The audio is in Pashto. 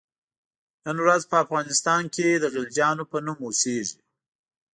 نن ورځ په افغانستان کې د غلجیانو په نوم اوسیږي.